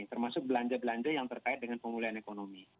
termasuk belanja belanja yang terkait dengan pemulihan ekonomi